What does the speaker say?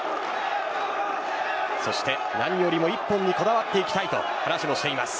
そして何よりも一本にこだわっていきたいと話もしています。